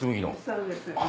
そうです。